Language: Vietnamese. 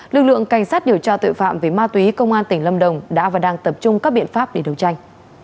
lực lượng cảnh sát điều tra tội phạm về ma túy công an tỉnh lâm đồng đã và đang tập trung các biện pháp để đấu tranh